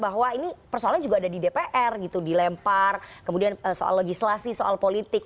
bahwa ini persoalannya juga ada di dpr gitu dilempar kemudian soal legislasi soal politik